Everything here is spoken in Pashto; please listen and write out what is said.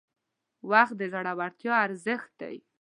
• وخت د زړورتیا ارزښت دی.